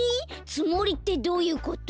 つもりってどういうこと？